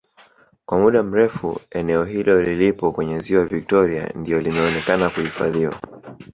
Kwa muda mrefu eneo hilo lilipo kwenye Ziwa Victoria ndiyo limeonekena kuhifadhiwa